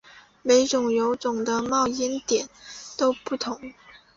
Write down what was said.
每种油种的冒烟点都不同。